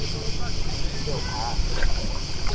躼跤仔